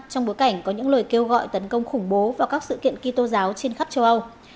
trong bối cảnh có những lời kêu gọi tấn công khủng bố vào các sự kiện kỳ tôn giáo trên khắp châu âu